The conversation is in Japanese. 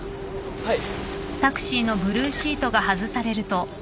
はい。